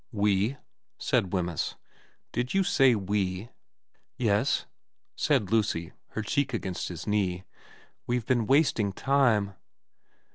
* We ?' said Wemyss. ' Did you say we ?*' Yes,' said Lucy, her cheek against his knee. * We've been wasting time.'